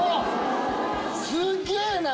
すげえな！